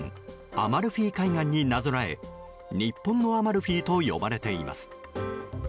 アマルフィ海岸になぞらえ日本のアマルフィと呼ばれています。